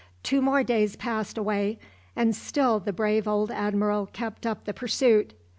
Two more days passed away, and still the brave old admiral kept up the pursuit.